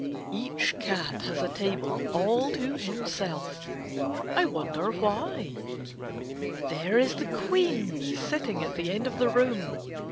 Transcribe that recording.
», Each eat has a table all to himself. I wonder why. There is the Queen sitting at the end of the room.